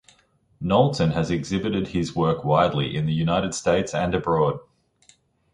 Knowlton has exhibited his work widely in the United States and abroad.